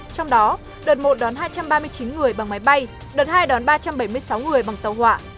trong đó đợt một đón hai trăm ba mươi chín người bằng máy bay đợt hai đón ba trăm bảy mươi sáu người bằng tàu hỏa